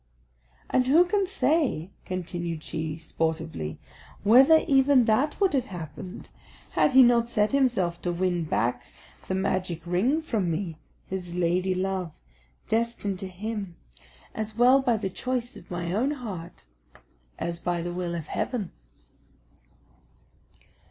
And who can say," continued she, sportively, "whether even that would have happened, had he not set himself to win back the magic ring from me, his lady love, destined to him, as well by the choice of my own heart as by the will of Heaven!"